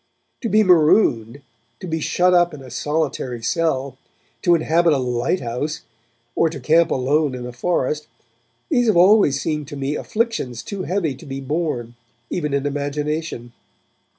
To be marooned, to be shut up in a solitary cell, to inhabit a lighthouse, or to camp alone in a forest, these have always seemed to me afflictions too heavy to be borne, even in imagination.